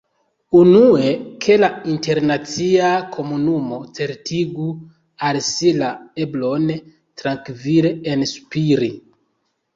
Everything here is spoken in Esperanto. Unue, ke la internacia komunumo certigu al si la eblon trankvile “enspiri.